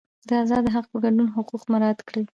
د ازادۍ د حق په ګډون حقوق مراعات کړي.